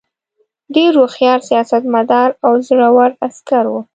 ډېر هوښیار سیاستمدار او زړه ور عسکر وو.